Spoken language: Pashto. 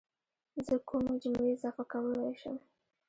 زه کومې جملې اضافه کولای شم